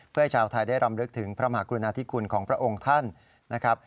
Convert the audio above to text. เพื่อให้ชาวไทยได้รำลึกถึงพระมหากรุณาธิคุณของพระองค์ท่านนะครับ